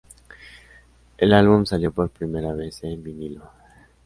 El álbum salió por primera vez en vinilo.